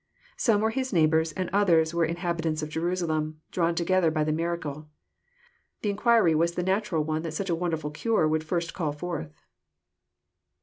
Some were his neighbours, and others were inhabitants of Jerusalem, drawn together by the miracle. The inquiry was the natural one that such a wonderful cure would first call forth.